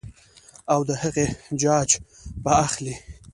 او د هغې جاج به اخلي -